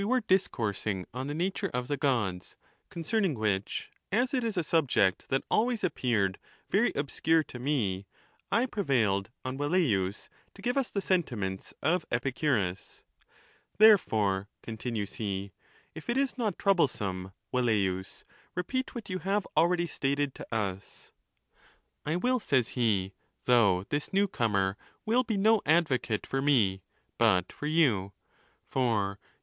ere dis coursing on the nature of the G ods ; concerning which, as it is a subject that always appeared very obscure to me, I prevailed on Velleius to give us the sentiments of Epicu rus. Therefore, continues he, if it is not troublesome, Vel leius, repeat what you have already stated to us. I will, says he, though this new comer will be no advocate for me, but for you; for you.